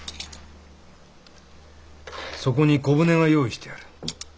そこに小舟が用意してある。